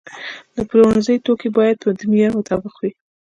د پلورنځي توکي باید د معیار مطابق وي.